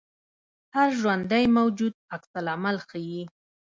هر ژوندی موجود عکس العمل ښيي